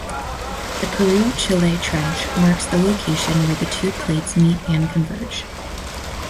The Peru–Chile trench marks the location where the two plates meet and converge.